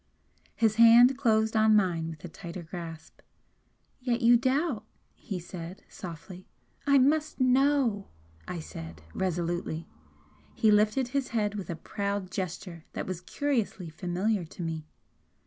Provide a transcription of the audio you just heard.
His hand closed on mine with a tighter grasp. "Yet you doubt!" he said, softly. "I must KNOW!" I said, resolutely. He lifted his head with a proud gesture that was curiously familiar to me.